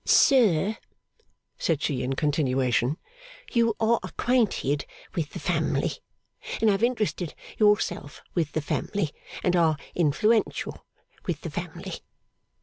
'Sir,' said she in continuation, 'you are acquainted with the family, and have interested yourself with the family, and are influential with the family.